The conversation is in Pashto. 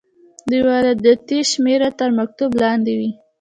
د واردې شمیره تر مکتوب لاندې وي.